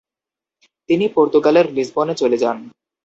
তিনি পর্তুগালের লিসবনে চলে যান।